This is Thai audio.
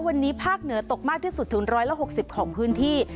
วันนี้ภาคเหนือตกมากที่สุดถึง๑๖๐ของพื้นที่